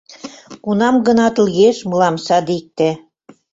Кунам-гынат лиеш мылам садикте: